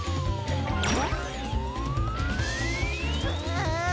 ああ！